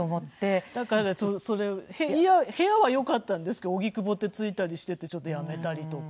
だからちょっとそれ部屋は良かったんですけど荻窪ってついたりしていてちょっとやめたりとか。